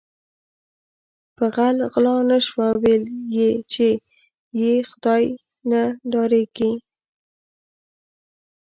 په غل غلا نشوه ویل یی چې ی خدای نه ډاریږم